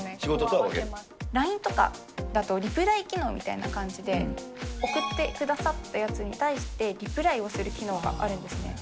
ＬＩＮＥとか、リプライ機能みたいな感じで、送ってくださったやつに対してリプライをする機能があるんですね。